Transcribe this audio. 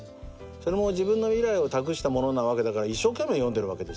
それも自分の未来を託したものなわけだから一生懸命読んでるわけですよ。